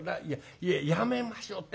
いややめましょうってんだ。